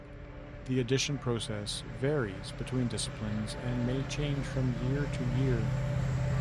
The audition process varies between disciplines, and may change from year to year.